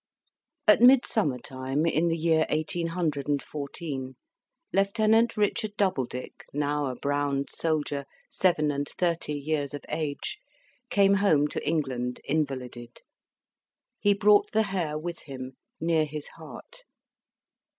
At Midsummer time, in the year eighteen hundred and fourteen, Lieutenant Richard Doubledick, now a browned soldier, seven and thirty years of age, came home to England invalided. He brought the hair with him, near his heart.